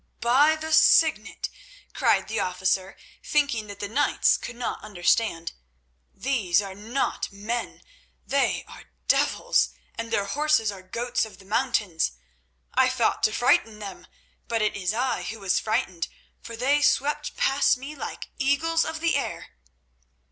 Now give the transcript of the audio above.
"By the Signet," cried the officer, thinking that the knights could not understand, "these are not men; they are devils, and their horses are goats of the mountains. I thought to frighten them, but it is I who was frightened, for they swept past me like eagles of the air."